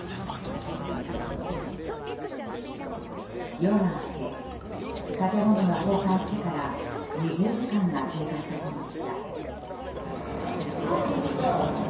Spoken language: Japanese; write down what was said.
夜が明け建物が崩壊してから２０時間が経過したころでした。